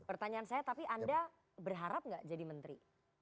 pertanyaan saya tapi anda berharap nggak jadi menteri